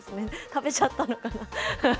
食べちゃったのかな。